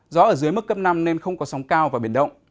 gió ở dưới mức cấp năm nên không có sóng cao và biển động